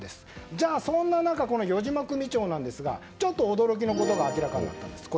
じゃあそんな中余嶋組長なんですがちょっと驚きのことが明らかになったんです。